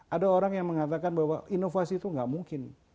ada orang yang mengatakan bahwa inovasi itu nggak mungkin